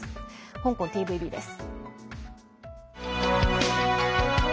香港ＴＶＢです。